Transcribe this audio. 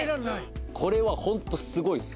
これは本当にすごいです。